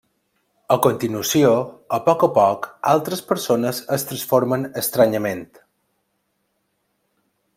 A continuació, a poc a poc, altres persones es transformen estranyament.